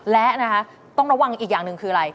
และนะคะต้องระวังอีกอย่างหนึ่งคืออะไร